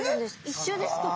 一緒ですか？